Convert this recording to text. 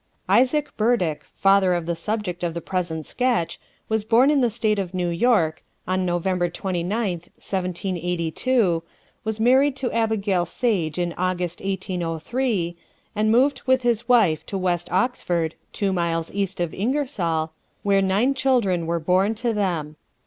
Isaac Burdick, father of the subject of the present sketch, was born in the State of New York, on November 29th, 1782; was married to Abigail Sage in August, 1803, and moved with his wife to West Oxford, two miles east of Ingersoll, where nine children were born to them.